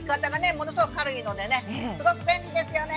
ものすごく軽いのでねすごく便利ですよね。